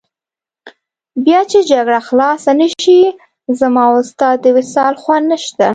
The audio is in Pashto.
بیا چې جګړه خلاصه نه شي، زما او ستا د وصال خوند نشته.